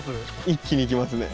一気に行きますね。